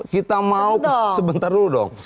kita mau sebentar dulu dong